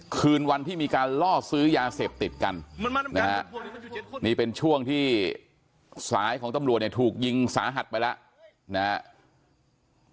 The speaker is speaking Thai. คืนวันที่มีการล่อซื้อยาเสพติดกันนะฮะนี่เป็นช่วงที่สายของตำรวจเนี่ยถูกยิงสาหัสไปแล้วนะครับ